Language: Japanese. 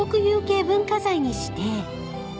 有形文化財に指定］